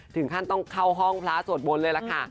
ถึงขั้นต้องเข้าห้องพระสวดมนต์เลยล่ะค่ะ